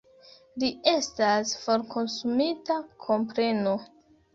Li estas forkonsumita, komprenu!